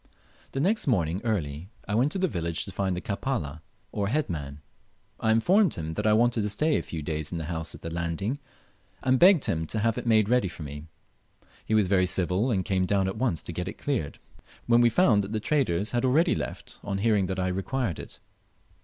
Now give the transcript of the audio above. The next morning early I went to the village to find the "Kapala," or head man. I informed him that I wanted to stay a few days in the house at the landing, and begged him to have it made ready for me. He was very civil, and came down at once to get it cleared, when we found that the traders had already left, on hearing that I required it.